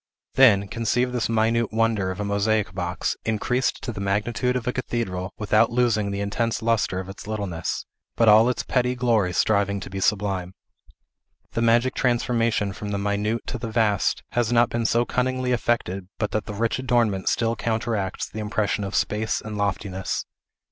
Then, conceive this minute wonder of a mosaic box, increased to the magnitude of a cathedral, without losing the intense lustre of its littleness, but all its petty glory striving to be sublime. The magic transformation from the minute to the vast has not been so cunningly effected but that the rich adornment still counteracts the impression of space and loftiness.